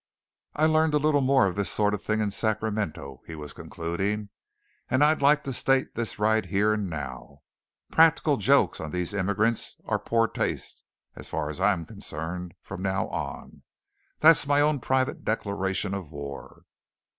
"I learned a little more of this sort of thing in Sacramento," he was concluding. "And I'd like to state this right here and now: practical jokes on these immigrants are poor taste as far as I am concerned from now on. That's my own private declaration of war."